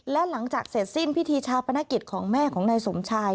และหลังจากเสร็จสิ้นพิธีชาปนกิจของแม่ของนายสมชาย